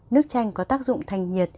nước chanh có tác dụng thanh nhiệt trị trị